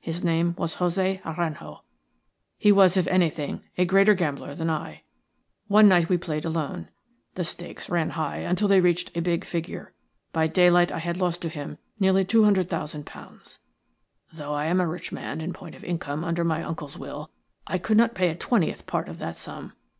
His name was José Aranjo. He was, if anything, a greater gambler than I. One night we played alone. The stakes ran high until they reached a big figure. By daylight I had lost to him nearly £200,000. Though I am a rich man in point of income under my uncle's will, I could not pay a twentieth part of that sum.